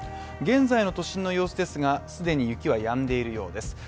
現在の都心の様子ですが、既に雪は止んでいるようです。